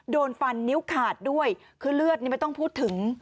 โดนฟันนิ้วขาดด้วยคือเลือดนี่ไม่ต้องพูดถึง